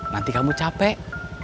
nanti kamu capek